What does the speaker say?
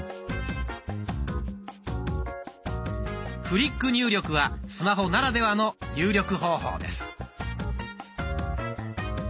フリック入力はスマホならではの入力方法です。